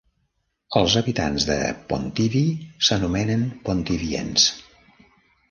Els habitants de Pontivy s'anomenen "pontivyens".